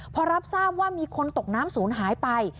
พอรับทราบว่ามีคนตกน้ำศูนย์หายไป